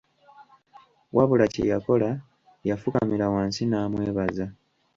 Wabula kye yakola yafukamira wansi n'amwebaza.